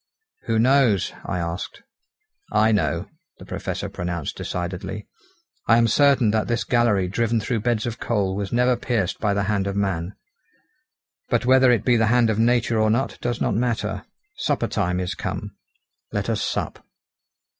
"Who knows?" I asked. "I know," the Professor pronounced decidedly, "I am certain that this gallery driven through beds of coal was never pierced by the hand of man. But whether it be the hand of nature or not does not matter. Supper time is come; let us sup."